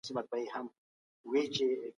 ښوونځی د کوچنیانو د ښو ژوند بنسټ ایښودونکی دی.